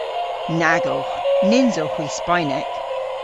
Nag owgh. Nyns owgh hwi Spaynek.